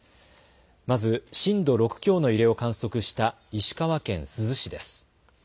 まず震度６強の揺れを観測した石川県珠洲市です。